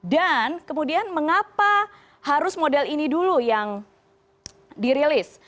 kemudian mengapa harus model ini dulu yang dirilis